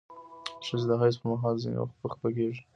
ښځې د حیض پر مهال ځینې وخت خپه کېږي.